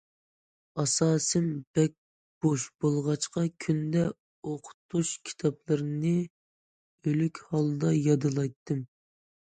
ئاساسىم بەك بوش بولغاچقا كۈندە ئوقۇتۇش كىتابلىرىنى ئۆلۈك ھالدا يادلايتتىم.